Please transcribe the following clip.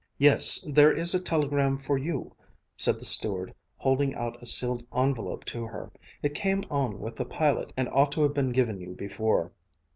"Yes, there is a telegram for you," said the steward, holding out a sealed envelope to her. "It came on with the pilot and ought to have been given you before."